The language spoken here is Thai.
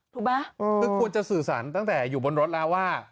ก็ควรจะสื่อสรรค์ตั้งแต่อยู่บนรถรหว่า